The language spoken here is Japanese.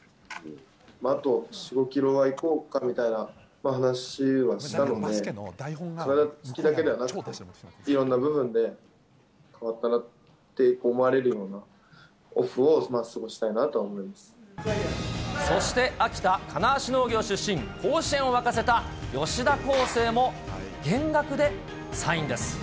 あと４、５キロはいこうかみたいな話はしたので、体つきだけではなくて、いろんな部分で変わったなって思われるようなオフを過ごしたいなそして、秋田・金足農業出身、甲子園を沸かせた吉田輝星も、減額でサインです。